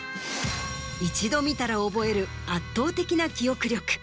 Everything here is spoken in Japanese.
一度見たら覚える圧倒的な記憶力。